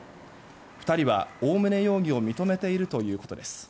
２人はおおむね容疑を認めているということです。